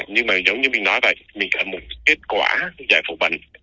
nhưng mà giống như mình nói là mình có một kết quả giải phục bệnh